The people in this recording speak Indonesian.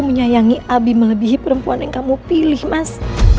menyayangi abi melebihi perempuan yang kamu pilih mas